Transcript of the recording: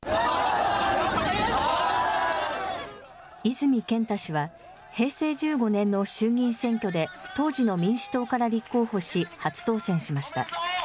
泉健太氏は、平成１５年の衆議院選挙で、当時の民主党から立候補し、初当選しました。